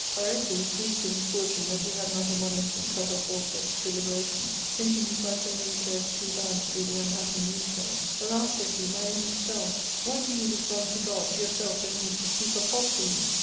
Pyrocles, grieved with his fortune that he had not in one instant cut off all such deliberation, thinking his life only re served to be bound to be the unhappy news teller, " Alas !" said he, " my only star, why do you this wrong to God, your self, and me, to speak of faults in you